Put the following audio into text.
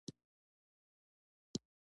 د عالم ډېرې خبرې هره خوا خورې لښکرې.